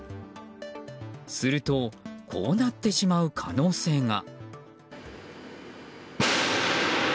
するとこうなってしまう可能性が。